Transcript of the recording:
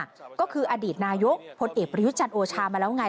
ก็คืออดีตนายกพลเอกประยุทธ์จันทร์โอชามาแล้วไง